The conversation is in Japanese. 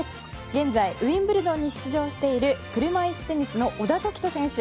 現在ウィンブルドンに出場している車いすテニスの小田凱人選手。